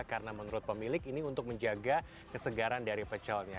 karena menurut pemilik ini untuk menjaga kesegaran dari pecelnya